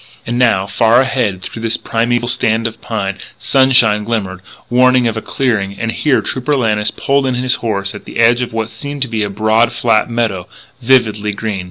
And now, far ahead through this primeval stand of pine, sunshine glimmered, warning of a clearing. And here Trooper Lannis pulled in his horse at the edge of what seemed to be a broad, flat meadow, vividly green.